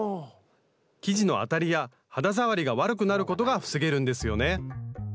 生地のあたりや肌触りが悪くなることが防げるんですよね